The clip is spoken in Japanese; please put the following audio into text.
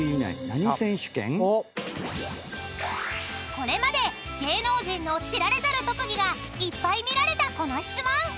［これまで芸能人の知られざる特技がいっぱい見られたこの質問］